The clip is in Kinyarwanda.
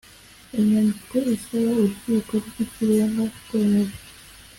Inyandiko isaba Urukiko rw Ikirenga kwemeza